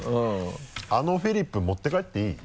あのフリップ持って帰っていい？